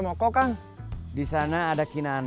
gue dapat hape budut ini aja